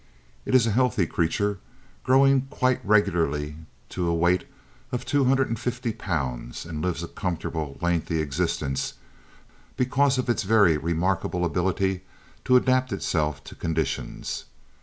It is a healthy creature, growing quite regularly to a weight of two hundred and fifty pounds, and lives a comfortable, lengthy existence because of its very remarkable ability to adapt itself to conditions.